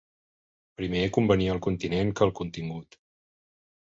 Primer convenia el continent que el contingut